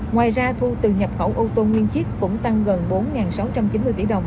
ngoài ra thu từ nhập khẩu ô tô nguyên chiếc cũng tăng gần bốn sáu trăm chín mươi tỷ đồng